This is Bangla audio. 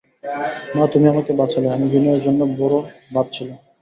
মা, তুমি আমাকে বাঁচালে, আমি বিনয়ের জন্যে বড়ো ভাবছিলুম।